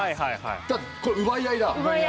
じゃあこれ奪い合いだ。